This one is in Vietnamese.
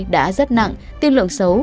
đã rất nặng tiên lượng xấu